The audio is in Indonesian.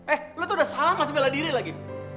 eh lo tuh udah salah masih bela diri lagi